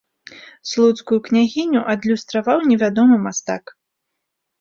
Слуцкую княгіню адлюстраваў невядомы мастак.